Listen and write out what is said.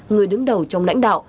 người đứng đầu trong lãnh đạo